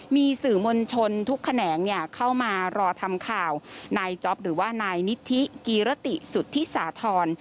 มีสื่อมวลชนทุกแขนงเนี่ยเข้ามารอทำข่าวนายจ๊อปหรือว่านายนิธิกีรติสุธิสาธรณ์